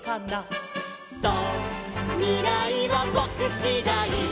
「そうみらいはぼくしだい」